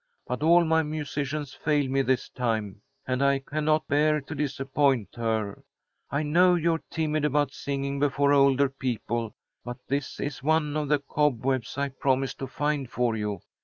But all my musicians failed me this time, and I cannot bear to disappoint her. I know you are timid about singing before older people, but this is one of the cobwebs I promised to find for you.